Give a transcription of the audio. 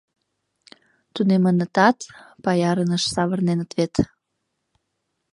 — Тунемынытат, паярыныш савырненыт вет.